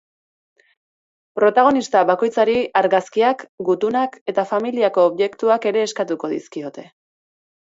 Protagonista bakoitzari argazkiak, gutunak eta familiako objektuak ere eskatuko dizkiote.